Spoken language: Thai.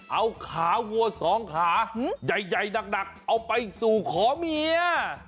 เอาขาวัวสองขาใหญ่หนักเอาไปสู่ขอเมีย